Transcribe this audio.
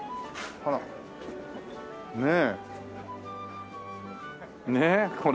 ほらねえ。